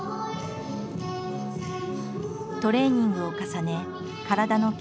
トレーニングを重ね体の筋